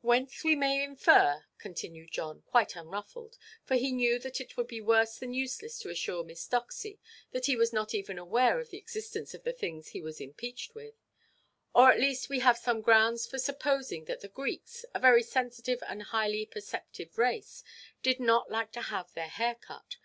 "Whence we may infer," continued John, quite unruffled; for he knew that it would be worse than useless to assure Miss Doxy that he was not even aware of the existence of the things he was impeached with; "or at least we have some grounds for supposing that the Greeks, a very sensitive and highly perceptive race, did not like to have their hair cut.